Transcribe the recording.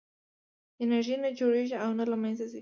انرژي نه جوړېږي او نه له منځه ځي.